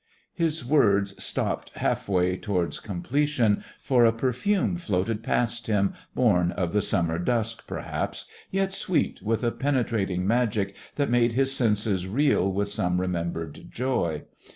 His words stopped half way towards completion, for a perfume floated past him, born of the summer dusk, perhaps, yet sweet with a penetrating magic that made his senses reel with some remembered joy.